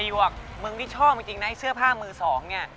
ไอ้ยวกมึงไม่ชอบจริงนะเจื้อผ้ามือสองเนี่ย